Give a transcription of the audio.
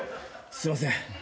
すいません。